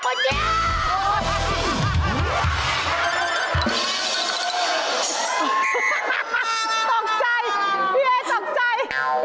ตกใจพี่เอตกใจ